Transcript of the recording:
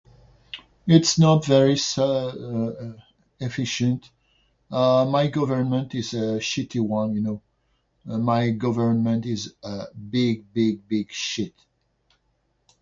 It's not very uh, uh, efficient. Uh, my government is a shitty one, you know. My government is, uh, big, big, big shit.